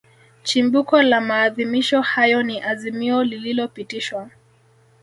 Chimbuko la maadhimisho hayo ni Azimio lililopitishwa